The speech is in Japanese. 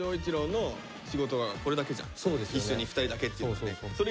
唯一一緒に２人だけっていうのはね。